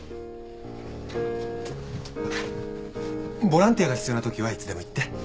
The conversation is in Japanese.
ボランティアが必要なときはいつでも言って。